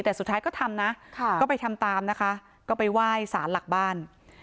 แต่สุดท้ายก็ทำนะก็ไปทำตามนะคะก็ไปไหว้สารหลักบ้าน